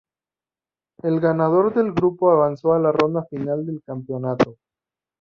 El ganador del grupo avanzó a la Ronda Final del campeonato.